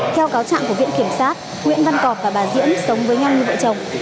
theo cáo trạng của viện kiểm sát nguyễn văn cọp và bà diễm sống với nhau như vợ chồng